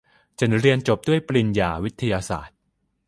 ฉันเรียนจบด้วยปริญญาวิทยาศาสตร์